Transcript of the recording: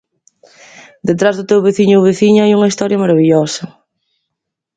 Detrás do teu veciño ou veciña hai unha historia marabillosa.